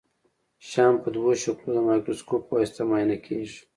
شیان په دوه شکلو د مایکروسکوپ په واسطه معاینه کیږي.